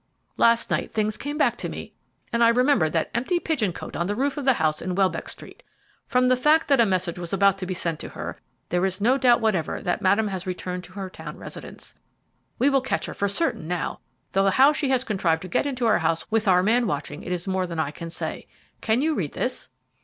Last night things came back to me, and I remembered that empty pigeon cote on the roof of the house in Welbeck Street. From the fact that a message was about to be sent to her, there is no doubt whatever that Madame has returned to her town residence. We will catch her for certain now, though how she has contrived to get into her house with our man watching it is more than I can say. Can you read this?"